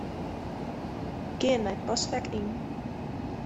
Gean nei Postfek Yn.